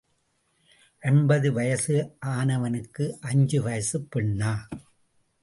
ஐம்பது வயசு ஆனவனுக்கு அஞ்சு வயசுப் பெண்ணா?